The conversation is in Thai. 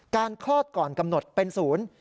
การคลอดก่อนกำหนดเป็น๐